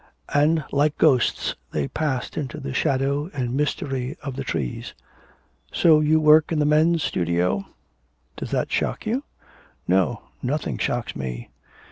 And, like ghosts, they passed into the shadow and mystery of the trees. 'So you work in the men's studio?' 'Does that shock you?' 'No, nothing shocks me.'